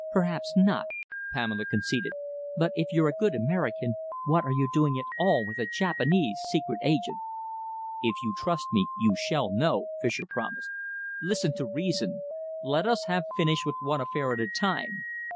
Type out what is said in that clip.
"Perhaps not," Pamela conceded, "but if you're a good American, what are you doing at all with a Japanese secret agent?" "If you trust me, you shall know," Fischer promised. "Listen to reason. Let us have finished with one affair at a time.